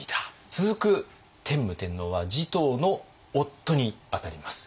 続く天武天皇は持統の夫に当たります。